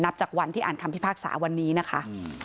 จากวันที่อ่านคำพิพากษาวันนี้นะคะ